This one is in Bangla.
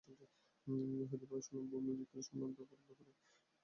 ইহুদি অভিবাসন ও ভূমি বিক্রয় সীমাবদ্ধ করার ব্যাপারে তিনি ব্রিটিশদের দাবি করেন।